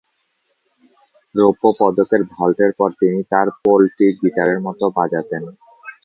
রৌপ্য পদকের ভল্টের পর তিনি তার পোলটি গিটারের মত বাজাতেন।